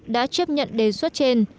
đã chấp nhận đề xuất trên